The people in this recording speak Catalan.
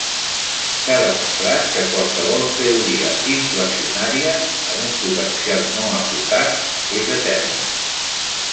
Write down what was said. S'ha demostrat que qualsevol teoria inflacionària amb un potencial no acotat és eterna.